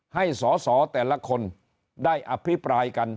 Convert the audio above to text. ให้สอสอแต่ละคนได้อภิปรายกัน